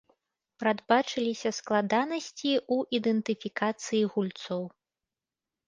Прадбачыліся складанасці ў ідэнтыфікацыі гульцоў.